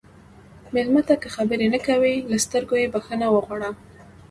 مېلمه ته که خبرې نه کوي، له سترګو یې بخښنه وغواړه.